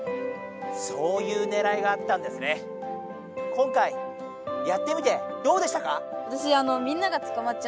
今回やってみてどうでしたか？